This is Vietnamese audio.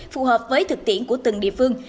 phù hợp với thực tiễn của từng địa phương